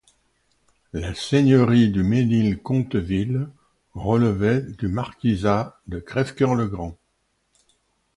La seigneurie du Mesnil-Conteville relevait du marquisat de Crèvecœur-le-Grand.